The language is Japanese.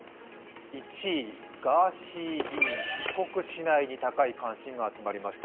１位、ガーシー議員、帰国しないに高い関心が集まりました。